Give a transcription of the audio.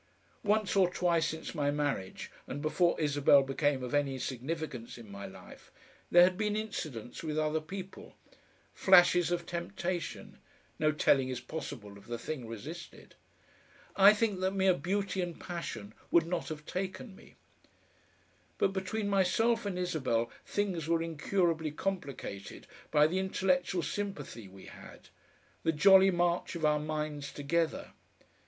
Once or twice since my marriage and before Isabel became of any significance in my life, there had been incidents with other people, flashes of temptation no telling is possible of the thing resisted. I think that mere beauty and passion would not have taken me. But between myself and Isabel things were incurably complicated by the intellectual sympathy we had, the jolly march of our minds together.